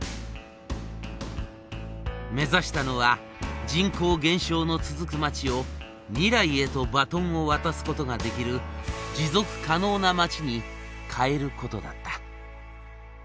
目指したのは人口減少の続く町を未来へとバトンを渡すことができる持続可能な町に変えることだった。